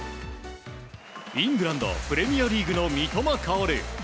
イングランドプレミアリーグの三笘薫。